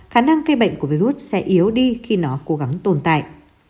khả năng gây bệnh của virus sẽ yếu đi khi nó cố gắng tồn tại